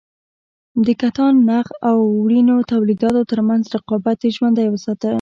د کتان- نخ او وړینو تولیداتو ترمنځ رقابت یې ژوندی وساته.